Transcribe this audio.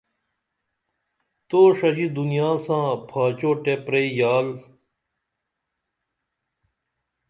تو ݜژی دنیا ساں پھاچوٹیہ پری یال